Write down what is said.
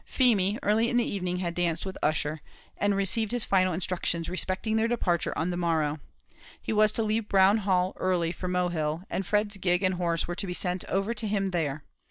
Feemy, early in the evening, had danced with Ussher, and received his final instructions respecting their departure on the morrow. He was to leave Brown Hall early for Mohill, and Fred's gig and horse were to be sent over to him there.